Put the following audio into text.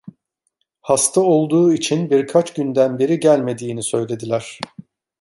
Hasta olduğu için birkaç günden beri gelmediğini söylediler.